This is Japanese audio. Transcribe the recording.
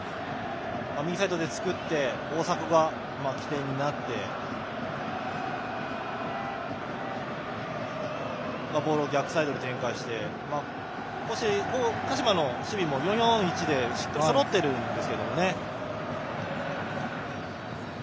右サイドで作って大迫が起点になってボールを逆サイドに展開して鹿島の守備も４−４−１でそろっているんですよね。